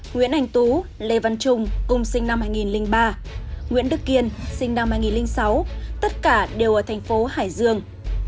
nguyễn anh tú lê văn trung cùng sinh năm hai nghìn ba nguyễn đức kiên sinh năm hai nghìn sáu tất cả đều ở thành phố hải dương